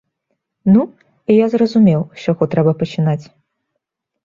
Ну, і я зразумеў, з чаго трэба пачынаць.